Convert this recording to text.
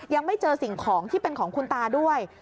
ยังไม่เจอสิ่งของที่เป็นของคุณตาด้วย